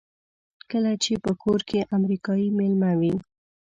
کله چې په کور کې امریکایی مېلمه وي.